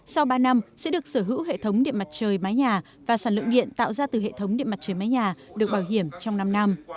sau ba năm sẽ được sở hữu hệ thống điện mặt trời mái nhà và sản lượng điện tạo ra từ hệ thống điện mặt trời mái nhà được bảo hiểm trong năm năm